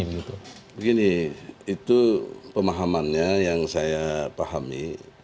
begini itu pemahamannya yang saya pahami